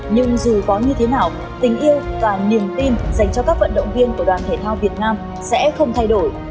nhưng dù có như thế nào tình yêu và niềm tin dành cho các vận động viên của đoàn thể thao việt nam sẽ không thay đổi